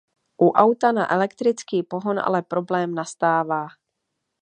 U auta na elektrický pohon ale problém nastává.